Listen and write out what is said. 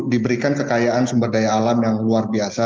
diberikan kekayaan sumber daya alam yang luar biasa